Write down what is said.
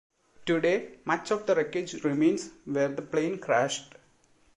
Today much of the wreckage remains where the plane crashed.